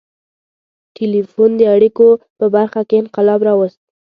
• ټیلیفون د اړیکو په برخه کې انقلاب راوست.